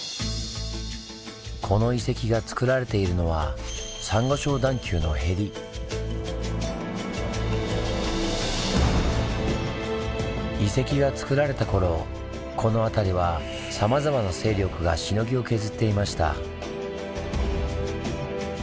この遺跡がつくられているのは遺跡がつくられた頃この辺りはさまざまな勢力がしのぎを削っていました。